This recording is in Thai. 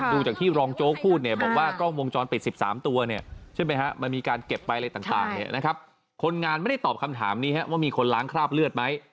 ดูจากที่รองโจ๊กพูดบอกว่ากล้องวงจรปิด๑๓ตัวมันมีการเก็บไปอะไรต่างคนงานไม่ได้ตอบคำถามนี้ว่ามีคนล้างคราบเลือดไหม